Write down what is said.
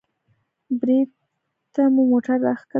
بېرته مو موټر راښکته کړ.